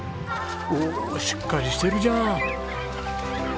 おおしっかりしてるじゃん。